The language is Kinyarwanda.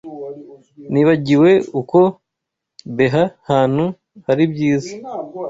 Nibagiwe uko beaaha hantu haribyiza.